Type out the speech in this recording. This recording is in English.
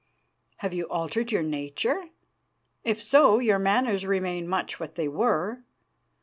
"Have you altered your nature? If so, your manners remain much what they were.